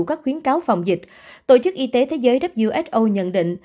các khuyến cáo phòng dịch tổ chức y tế thế giới who nhận định